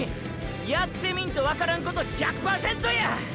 やってみんとわからんこと１００％や！！